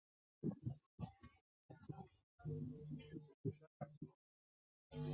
多重途径研究也可用于分析人们拆穿谎言的成功率。